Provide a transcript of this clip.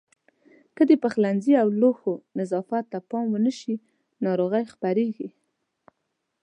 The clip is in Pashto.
که د پخلنځي او لوښو نظافت ته پام ونه شي ناروغۍ خپرېږي.